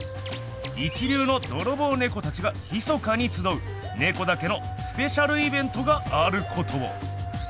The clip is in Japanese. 一流のドロボウネコたちがひそかにつどうネコだけのスペシャルイベントがあることを！